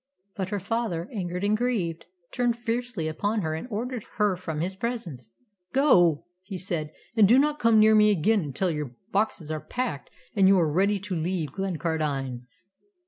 But her father, angered and grieved, turned fiercely upon her and ordered her from his presence. "Go," he said, "and do not come near me again until your boxes are packed and you are ready to leave Glencardine."